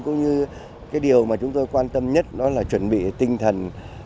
cũng như cái điều mà chúng tôi quan tâm nhất đó là chuẩn bị tinh thần